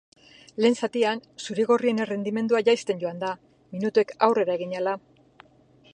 Lehen zatian, zuri-gorrien errendimendua jaisten joan da, minutuek aurrera egin ahala.